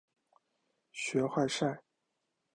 学坏晒！